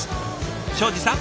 庄司さん